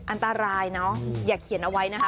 อันตรายเนอะอย่าเขียนเอาไว้นะคะ